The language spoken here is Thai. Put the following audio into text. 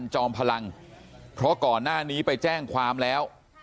จอมพลังเพราะก่อนหน้านี้ไปแจ้งความแล้ว